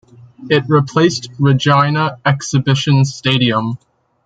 It replaced Regina Exhibition Stadium.